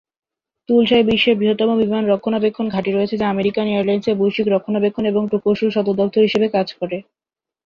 তুলসায় বিশ্বের বৃহত্তম বিমান রক্ষণাবেক্ষণ ঘাঁটি রয়েছে, যা আমেরিকান এয়ারলাইন্সের বৈশ্বিক রক্ষণাবেক্ষণ এবং প্রকৌশল সদর দফতর হিসাবে কাজ করে।